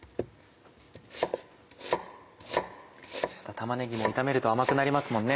玉ねぎも炒めると甘くなりますもんね。